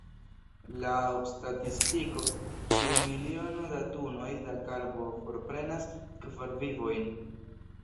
Laŭ statistiko, ĉiu miliono da tunoj da karbo forprenas kvar vivojn.